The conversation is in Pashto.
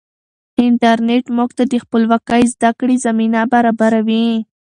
انټرنیټ موږ ته د خپلواکې زده کړې زمینه برابروي.